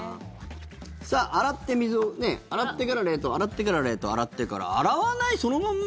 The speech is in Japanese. さあ、洗ってから冷凍洗ってから冷凍、洗ってから洗わない、そのまんま？